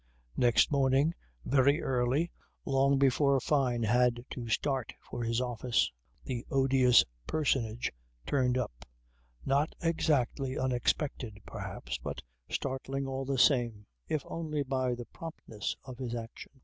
Next morning, very early, long before Fyne had to start for his office, the "odious personage" turned up, not exactly unexpected perhaps, but startling all the same, if only by the promptness of his action.